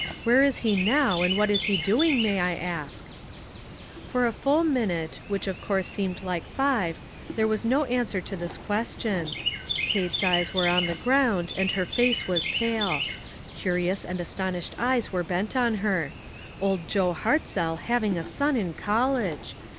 Where is he now, and what is he doing, may I ask?" For a full minute, which of course seemed like five, there was no answer to this question. Kate's eyes were on the ground, and her face was pale. Curious and aston ished eyes were bent on her. Old Joe Hartzell having a son in college!